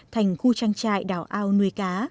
thành khu trang trại đảo ao nuôi cá